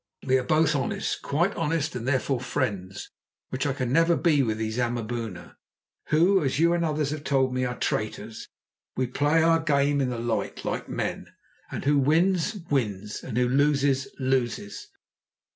We are both honest, quite honest, and therefore friends, which I can never be with these Amaboona, who, as you and others have told me, are traitors. We play our game in the light, like men, and who wins, wins, and who loses, loses.